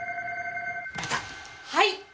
はい！